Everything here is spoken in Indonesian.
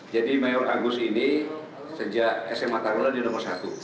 jadi mayor agus ini sejak sma tarulah di nomor satu